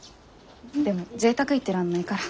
でもぜいたく言ってらんないから。